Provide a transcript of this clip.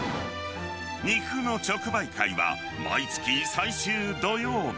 肉の直売会は、毎月最終土曜日。